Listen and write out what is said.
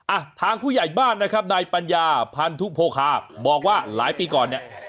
อ่ะทางผู้ใหญ่บ้านนะครับนายปัญญาพันธุโพคาบอกว่าหลายปีก่อนเนี่ย